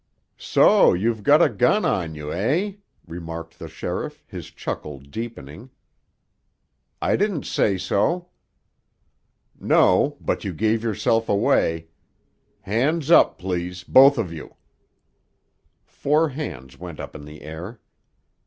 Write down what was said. "So you've got a gun on you, eh?" remarked the sheriff, his chuckle deepening. "I didn't say so." "No; but you gave yourself away. Hands up, please. Both of you." Four hands went up in the air.